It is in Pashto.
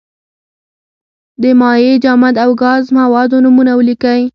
د مایع، جامد او ګاز موادو نومونه ولیکئ.